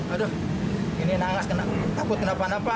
aduh ini nangis takut kenapa napa